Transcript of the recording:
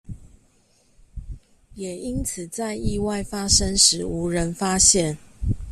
也因此在意外發生時無人發現